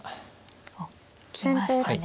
おっ行きましたね。